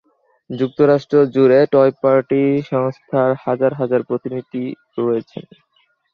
যুক্তরাষ্ট্র জুড়ে sex toy party সংস্থার হাজার হাজার প্রতিনিধি রয়েছেন।